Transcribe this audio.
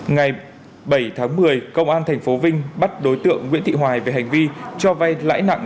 ngày bảy tháng một mươi công an tp vinh bắt đối tượng nguyễn thị hoài về hành vi cho vay lãi nặng